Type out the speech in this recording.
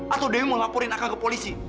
atau dewi mau laporin aka ke polisi